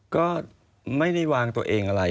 ก็ไม่ได้วางตัวเองอะไร